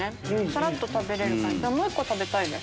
さらっと食べれる感じ。